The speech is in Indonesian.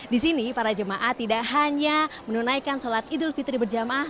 di sini para jemaah tidak hanya menunaikan sholat idul fitri berjamaah